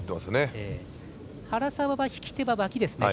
原沢は引き手は脇ですね。